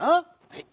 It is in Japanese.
はい。